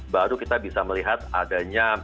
baru kita bisa melihat adanya